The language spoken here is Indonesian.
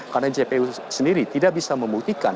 karena jpu sendiri tidak bisa membuktikan